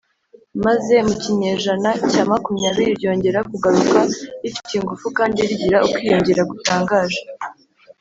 maze mu kinyejana cya makumyabiri ryongera kugaruka rifite ingufu kandi rigira ukwiyongera gutangaje.